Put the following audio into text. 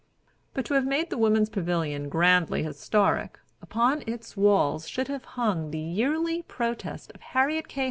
But to have made the Woman's Pavilion grandly historic, upon its walls should have been hung the yearly protest of Harriet K.